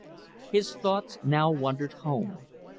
His thoughts now wandered home.